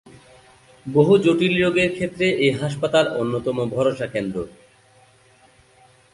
বহু জটিল রোগের ক্ষেত্রে এই হাসপাতাল অন্যতম ভরসা কেন্দ্র।